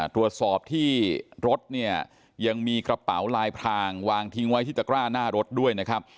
ตรวจสอบที่รถเนี่ยยังมีกระเป๋าลายพรางวางทิ้งไว้ที่ตะกร้าหน้ารถด้วยนะครับ